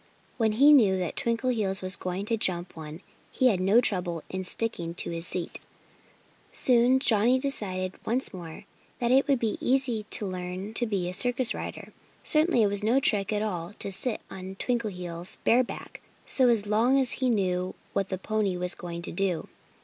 When he knew that Twinkleheels was going to jump one he had no trouble in sticking to his seat. Soon Johnnie decided once more that it would be easy to learn to be a circus rider. Certainly it was no trick at all to sit on Twinkleheels' bare back so long as he knew what the pony was going to do.